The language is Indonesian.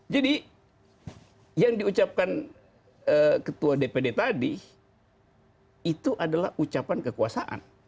jadi yang diucapkan ketua dpd tadi itu adalah ucapan kekuasaan